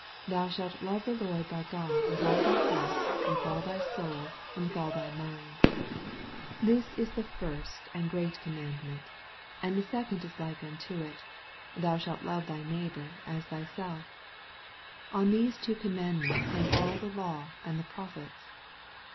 Thou shalt love the Lord thv God with all thy heart, and with aU thy soul, and witn fljl thy mind. ^ 88 This is the first and great com mandment. 39 And the second w like unto it. Thou shalt love thy neighbor as thy lelf. 40 On these two commandments hang all the law and the Proph ets.